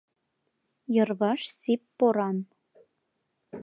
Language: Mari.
Йырваш сип поран.